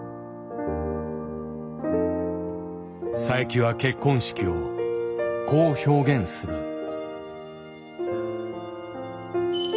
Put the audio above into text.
佐伯は結婚式をこう表現する。